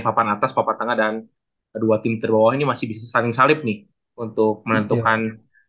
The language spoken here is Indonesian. papan atas papan tengah dan dua tim terbawah ini masih bisa saling salip nih untuk menentukan